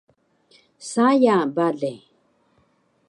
Saya bale